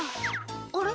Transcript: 「あれ？